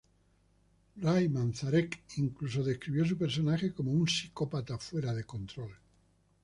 Ray Manzarek incluso describió su personaje como "un psicópata fuera de control".